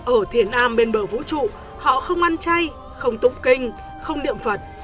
ở thiền am bên bờ vũ trụ họ không ăn chay không tụng kinh không niệm phật